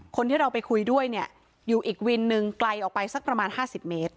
คนที่เราไปคุยด้วยเนี่ยอยู่อีกวินหนึ่งไกลออกไปสักประมาณ๕๐เมตร